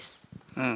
うん。